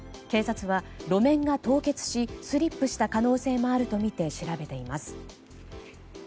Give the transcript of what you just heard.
警察は路面が凍結しスリップした可能性もあるとみて調べています。